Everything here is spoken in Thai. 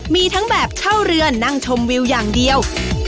มีทั้งแบบเช่าเรือนั่งชมวิวอย่างเดียว